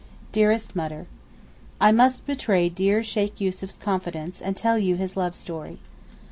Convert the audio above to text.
DEAREST MUTTER, I must betray dear Sheykh Yussuf's confidence, and tell you his love story.